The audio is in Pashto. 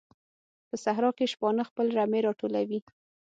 په صحراء کې شپانه خپل رمې راټولوي.